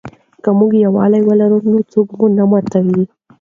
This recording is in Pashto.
که موږ یووالي ولرو نو څوک مو نه ماتوي.